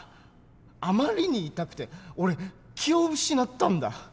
あまりに痛くて俺気を失ったんだ。